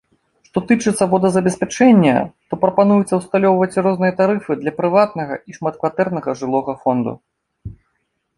Што тычыцца водазабеспячэння, то прапануецца ўсталёўваць розныя тарыфы для прыватнага і шматкватэрнага жылога фонду.